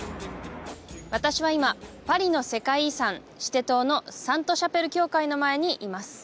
私は今パリの世界遺産シテ島のサント・シャペル教会の前にいます